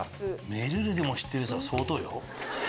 めるるでも知ってるって相当よ。